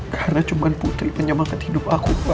karena cuma putri penyemangat hidup aku pak